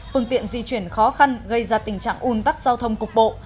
phương tiện di chuyển khó khăn gây ra tình trạng un tắc giao thông cục bộ